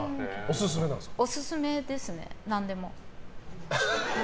オススメですね、何でも。